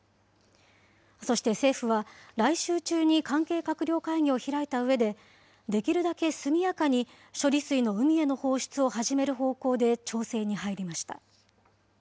そして政府は、来週中に関係閣僚会議を開いたうえで、できるだけ速やかに処理水の海への放出を始める方向で調整に入りました。